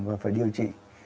và phải điều trị